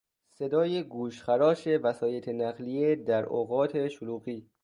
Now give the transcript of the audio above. صدای گوشخراش وسایط نقلیه در اوقات شلوغی